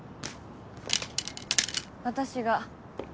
私が。